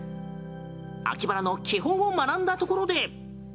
秋バラの基本を学んだところで。